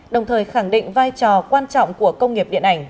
đồng thời khẳng định vai trò quan trọng của công nghiệp điện ảnh